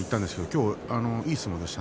今日はいい相撲でした。